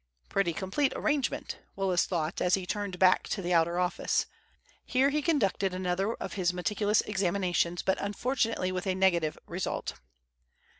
"Pretty complete arrangement," Willis thought as he turned back to the outer office. Here he conducted another of his meticulous examinations, but unfortunately with a negative result.